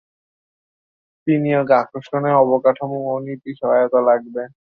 বিনিয়োগ আকর্ষণে অবকাঠামো ও নীতি সহায়তা লাগবে।